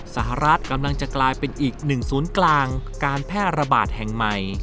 สหรัฐกำลังจะกลายเป็นอีกหนึ่งศูนย์กลางการแพร่ระบาดแห่งใหม่